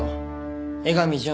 江上純。